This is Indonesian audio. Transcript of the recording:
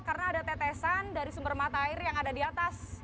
karena ada tetesan dari sumber mata air yang ada di atas